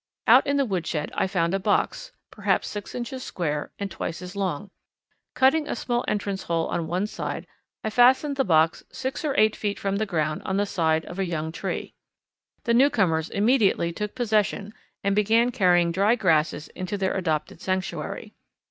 Out in the woodshed I found a box, perhaps six inches square and twice as long. Cutting a small entrance hole on one side, I fastened the box seven or eight feet from the ground on the side of a young tree. The newcomers immediately took possession and began carrying dry grasses into their adopted sanctuary.